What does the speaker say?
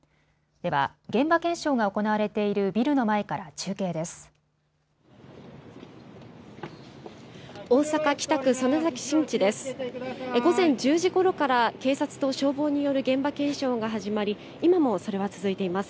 では、現場検証が行われているビルの前から中継です。